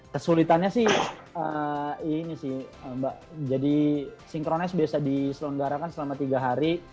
kesulitannya sih ini sih mbak jadi synchronize biasa diselenggarakan selama tiga hari